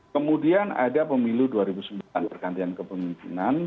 kemudian ada pemilu dua ribu sembilan pergantian kepemimpinan